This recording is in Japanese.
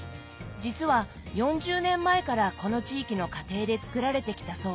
実は４０年前からこの地域の家庭で作られてきたそうです。